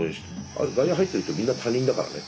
あれ外野入ってる人みんな他人だからね。